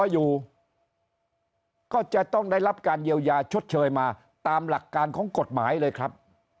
อยู่ก็จะต้องได้รับการเยียวยาชดเชยมาตามหลักการของกฎหมายเลยครับ